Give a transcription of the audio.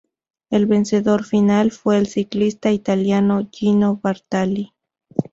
El vencedor final fue el ciclista italiano Gino Bartali.